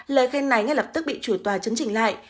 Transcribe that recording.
lời khen này ngay lập tức bị chủ tòa chấn chỉnh lại